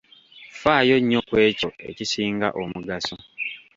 Ffaayo nnyo ku ekyo ekisinga omugaso.